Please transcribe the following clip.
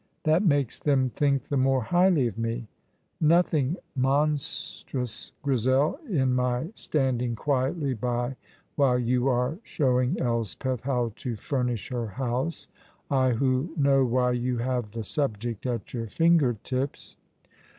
"That makes them think the more highly of me! Nothing monstrous, Grizel, in my standing quietly by while you are showing Elspeth how to furnish her house I, who know why you have the subject at your finger tips!"